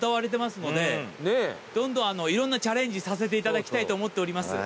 どんどんいろんなチャレンジさせていただきたいと思っております。